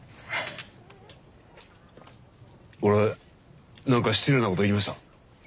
俺何か失礼なこと言いました？